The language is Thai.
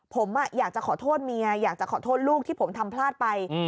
ผมอยากจะขอโทษเมียอยากจะขอโทษลูกที่ผมทำพลาดไป